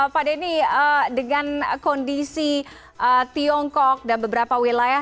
pak denny dengan kondisi tiongkok dan beberapa wilayah